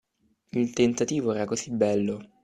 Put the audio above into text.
Il tentativo era così bello .